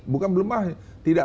bukan belum mampu